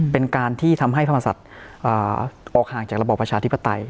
เป็นการที่ทำให้พระมศัตริย์ออกห่างจากระบอบประชาธิปไตย